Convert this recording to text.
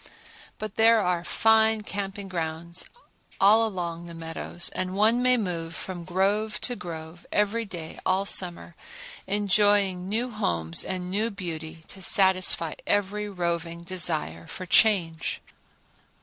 But there are fine camping grounds all along the meadows, and one may move from grove to grove every day all summer, enjoying new homes and new beauty to satisfy every roving desire for change.